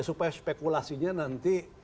supaya spekulasinya nanti